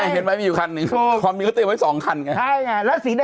เห็นไหมมีอยู่คันนี้